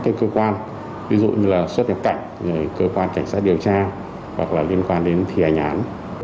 các cơ quan ví dụ như là xuất nhập cảnh cơ quan cảnh sát điều tra hoặc là liên quan đến thi hành án